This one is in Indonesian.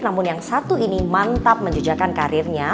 namun yang satu ini mantap menjejakan karirnya